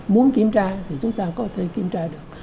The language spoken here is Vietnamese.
muốn kiểm tra thì chúng ta có thể kiểm tra được